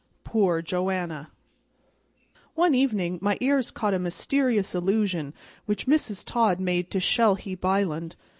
Poor Joanna ONE EVENING my ears caught a mysterious allusion which Mrs. Todd made to Shell heap Island.